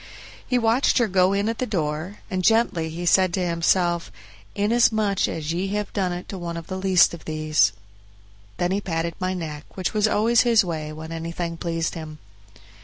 He watched her go in at the door, and gently he said to himself, "Inasmuch as ye have done it to one of the least of these." Then he patted my neck, which was always his way when anything pleased him.